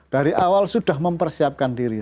dari awal sudah mempersiapkan diri